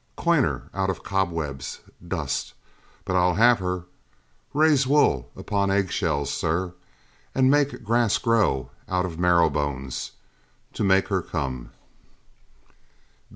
Coin her out of cobwebs, Dust, but I'll have her! raise wool upon egg shells, Sir, and make grass grow out of marrow bones, To make her come!